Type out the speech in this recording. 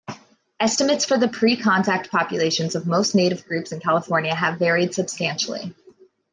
Estimates for the pre-contact populations of most native groups in California have varied substantially.